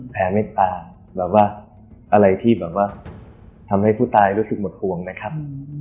แพ้เม็ดตาอะไรที่ทำให้ผู้ตายรู้สึกหมดหวงนะครับ